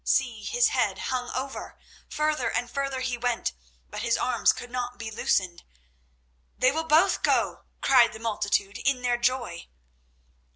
See! his head hung over. Further and further he bent, but his arms could not be loosened. "They will both go!" cried the multitude in their joy.